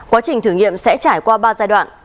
quá trình thử nghiệm sẽ trải qua ba giai đoạn